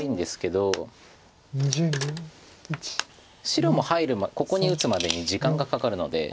白もここに打つまでに時間がかかるので。